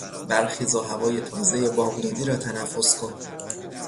برخیز و هوای تازهی بامدادی را تنفس کن!